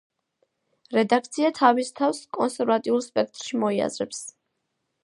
რედაქცია თავის თავს კონსერვატიულ სპექტრში მოიაზრებს.